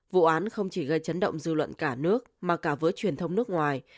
vụ án không chỉ gây chấn động dư luận cả nước mà cả với truyền thông nước ngoài